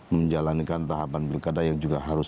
menjalankan tahapan pilkada yang juga harus